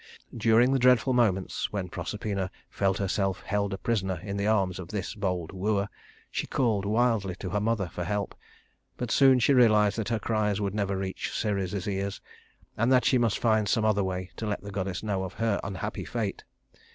During the dreadful moments when Proserpina felt herself held a prisoner in the arms of this bold wooer, she called wildly to her mother for help; but soon she realized that her cries would never reach Ceres's ears, and that she must find some other way to let the goddess know of her unhappy fate.